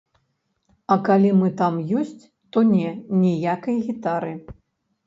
А калі мы там ёсць, то не, ніякай гітары!